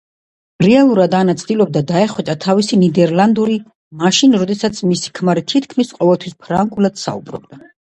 რეალურად ანა ცდილობდა დაეხვეწა თავისი ნიდერლანდური, მაშინ, როდესაც მისი ქმარი თითქმის ყოველთვის ფრანგულად საუბრობდა.